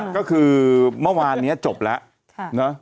ก็คือเมื่อวานนี้จบแล้ว